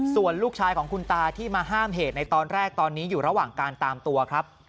ส่วนลูกชายของคุณตาที่มาห้ามเหตุในตอนแรกตอนนี้อยู่ระหว่างการตามตัวครับ